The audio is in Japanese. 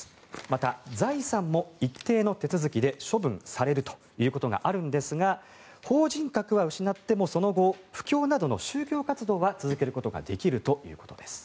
また、財産も一定の手続きで処分されるということがあるんですが法人格は失ってもその後、布教などの宗教活動は続けることができるということです。